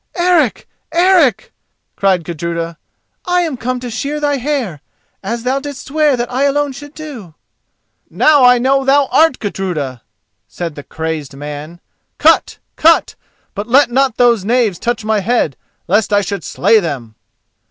"Eric! Eric!" cried Gudruda, "I am come to shear thy hair, as thou didst swear that I alone should do." "Now I know that thou art Gudruda," said the crazed man. "Cut, cut; but let not those knaves touch my head, lest I should slay them."